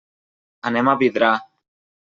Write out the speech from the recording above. Anem a Vidrà.